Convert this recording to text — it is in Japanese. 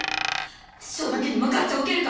師匠だけに任せておけるか！